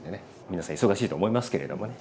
皆さん忙しいと思いますけれどもね